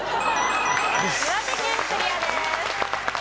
岩手県クリアです。